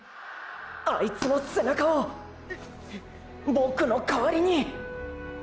あいつの背中をボクのかわりに！！